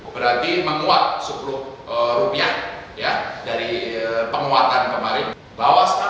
berarti menguat sepuluh rupiah